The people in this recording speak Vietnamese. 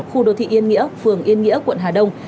khu đô thị yên nghĩa phường yên nghĩa quận hà đông